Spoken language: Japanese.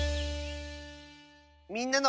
「みんなの」。